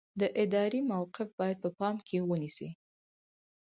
د ادارې موقف باید په پام کې ونیسئ.